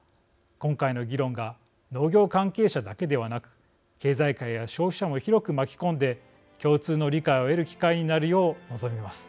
今回の議論が農業関係者だけではなく経済界や消費者も広く巻き込んで共通の理解を得る機会になるよう望みます。